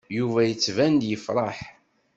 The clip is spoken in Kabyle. Yuba yettban-d yefṛeḥ.